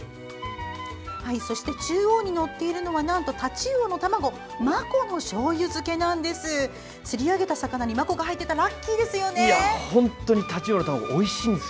そして中央に載っているのはなんとタチウオの卵真子のしょうゆ漬けなんです。